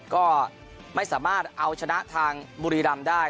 ก็ไม่สามารถเอาชนะทางบุรีรำได้